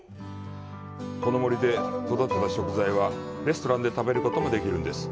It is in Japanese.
この森で育てた食材はレストランで食べることもできるんです。